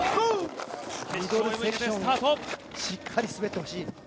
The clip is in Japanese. しっかり滑ってほしい。